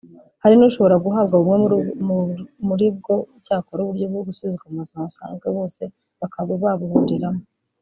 hari n'ushobora guhabwa bumwe muri bwo cyakora uburyo bwo gusubizwa mu buzima busanzwe bose bakaba babuhuriraho